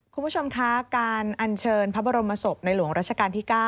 คุณผู้ชมคะการอัญเชิญพระบรมศพในหลวงรัชกาลที่๙